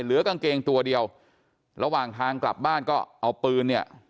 เหลือกางเกงตัวเดียวระหว่างทางกลับบ้านก็เอาปืนเนี่ย